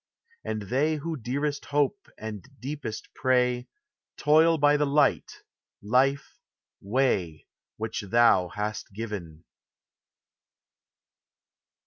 And they who dearest hope and deepest pray, Toil by the Light, Life, Way, which thou hast given.